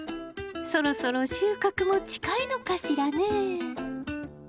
そろそろ収穫も近いのかしらねぇ。